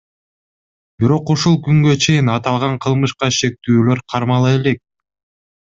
Бирок ушул күнгө чейин аталган кылмышка шектүүлөр кармала элек.